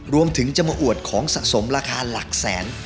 รวมถึงจะมาอวดของสะสมราคาหลักแสน